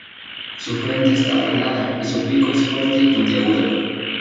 Su frente está aplanada, y su pico es fuerte y puntiagudo.